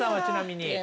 ちなみに。